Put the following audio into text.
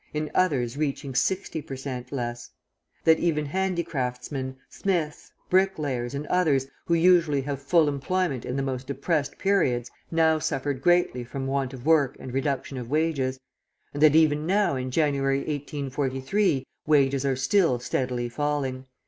in others reaching sixty per cent. less; that even handicraftsmen, smiths, bricklayers, and others, who usually have full employment in the most depressed periods, now suffered greatly from want of work and reduction of wages; and that, even now, in January, 1843, wages are still steadily falling.